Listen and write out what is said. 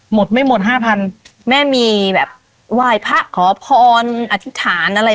หมดไม่หมดห้าพันแม่มีแบบไหว้พระขอพรอธิษฐานอะไร